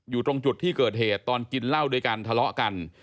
อยู่ตรงจุดที่เกิดเหตุตอนกินเหล้าด้วยกันทะเลาะกัน